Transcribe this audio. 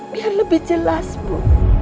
biar lebih jelas bu